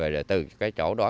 rồi từ cái chỗ đó